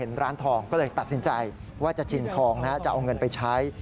ร้านทองก็เลยตัดสินใจว่าจะชิงทองจะเอาเงินไปใช้